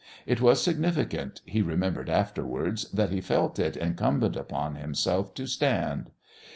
It was significant, he remembered afterwards, that he felt it incumbent upon himself to stand.